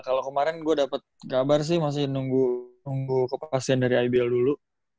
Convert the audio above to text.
kalo kemaren gue dapet kabar sih masih nunggu kepastian dari ibl dulu